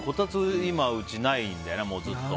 今、うちないんだよね、ずっと。